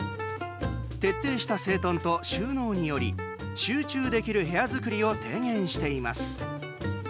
徹底した整頓と収納により集中できる部屋作りを提言しています。